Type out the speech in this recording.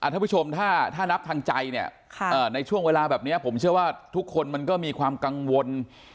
ท่านผู้ชมถ้านับทางใจเนี่ยในช่วงเวลาแบบนี้ผมเชื่อว่าทุกคนมันก็มีความกังวล